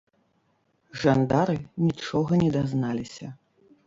Жандары нічога не дазналіся.